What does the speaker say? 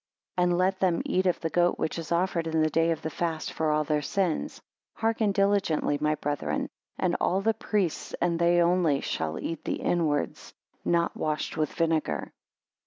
And let them eat of the goat which is offered in the day of the fast for all their sins. Hearken diligently, (my brethren,) and all the priests, and they only shall eat the inwards not washed with vinegar.